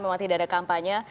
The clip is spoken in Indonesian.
memang tidak ada kampanye